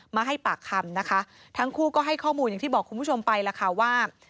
มาให้ปากคำนะคะทั้งคู่ก็ให้ข้อมูลอย่างที่บอกคุณผู้ชมไปล่ะค่ะว่า